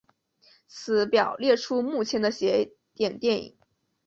此表列出目前的邪典电影。